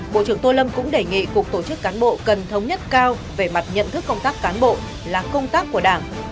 bộ trưởng tô lâm cũng đề nghị cục tổ chức cán bộ cần thống nhất cao về mặt nhận thức công tác cán bộ là công tác của đảng